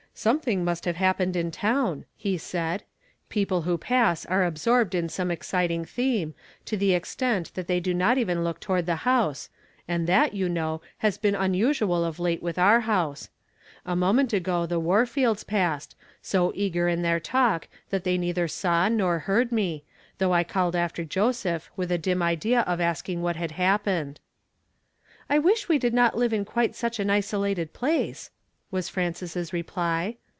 " Something must have happened in town," he said. " People who pass are absorbed in some ex citing theme, to the extent that they do not even look toward the house, and that, you know, has been unusual of late with our house. A moment ago the Warfields passed, so eager in their talk that they neither saw nor heard me, though I called after Joseph, with a dim idea of asking what had happened." " I wish we did not live in quite such an iso lated place," was Frances's reply.